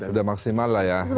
sudah maksimal lah ya